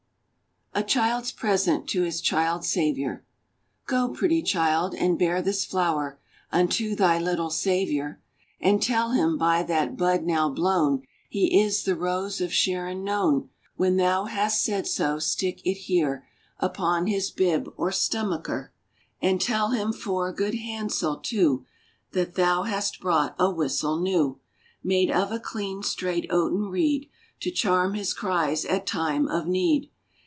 A CHILD'S PRESENT TO HIS CHILD SAVIOUR Go, pretty child, and bear this flower Unto thy little Saviour; And tell Him, by that bud now blown, He is the Rose of Sharon known; When thou hast said so, stick it there Upon his bib, or stomacher; And tell Him, for good handsel too, That thou hast brought a whistle new, Made of a clean straight oaten reed, To charm his cries at time of need.